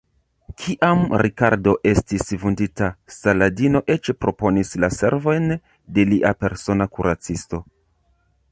Kiam Rikardo estis vundita, Saladino eĉ proponis la servojn de lia persona kuracisto.